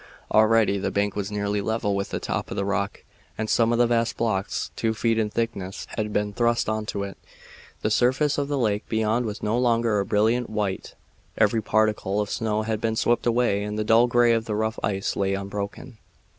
Already the bank was nearly level with the top of the rock, and some of the vast blocks, two feet in thickness, had been thrust on to it. The surface of the lake beyond was no longer a brilliant white. Every particle of snow had been swept away and the dull gray of the rough ice lay unbroken.